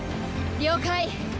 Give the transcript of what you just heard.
了解！